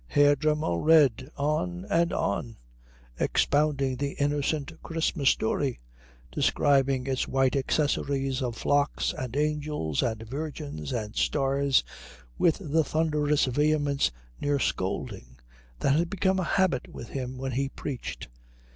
Herr Dremmel read on and on, expounding the innocent Christmas story, describing its white accessories of flocks and angels and virgins and stars with the thunderous vehemence near scolding that had become a habit with him when he preached.